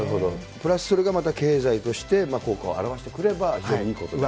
プラスそれがまた、経済として、効果を表してくれば、非常にいいことだと。